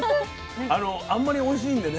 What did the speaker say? あんまりおいしいんでね